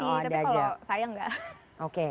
tapi kalau saya enggak